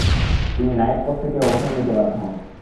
তিনি নায়েবপদ থেকে অবসর নিতে বাধ্য হন ।